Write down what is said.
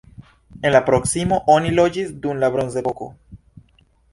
En la proksimo oni loĝis dum la bronzepoko.